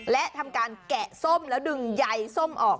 และทำการแกะส้มแล้วดึงใยส้มออก